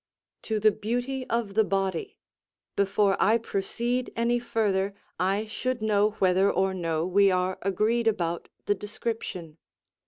to the beauty of the body, before I proceed any further I should know whether or no we are agreed about the description.